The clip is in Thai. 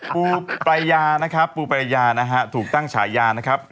ปูปรายานะครับปูปรายานะฮะถูกตั้งฉายานะครับ